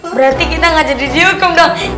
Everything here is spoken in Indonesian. berarti kita gak jadi dihukum dong